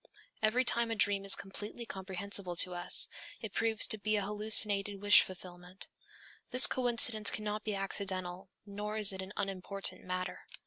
Every time a dream is completely comprehensible to us, it proves to be an hallucinated wish fulfillment. This coincidence cannot be accidental, nor is it an unimportant matter.